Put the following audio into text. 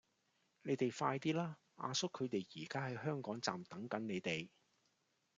你哋快啲啦!阿叔佢哋而家喺香港站等緊你哋